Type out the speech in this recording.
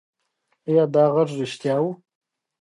ایا دا غږ رښتیا و؟